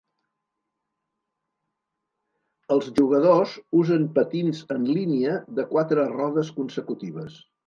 Els jugadors usen patins en línia de quatre rodes consecutives.